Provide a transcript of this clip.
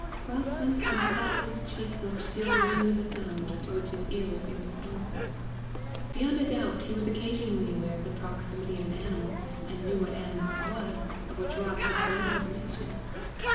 Rob sometimes thought his cheek must feel the wind of a sound to which his ear was irresponsive. Beyond a doubt he was occasionally aware of the proximity of an animal, and knew what animal it was, of which Rob had no intimation.